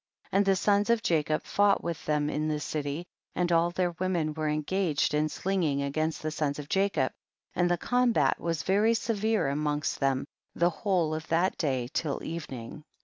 9. And the sons of Jacob fought with them in the city, and all their women were engaged in slinging against the sons of Jacob, and the combat was very severe amongst them the whole of that day till evening.